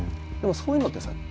でもそういうのってさ